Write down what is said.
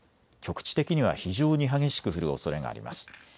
局地的には非常に激しく降るおそれがあります。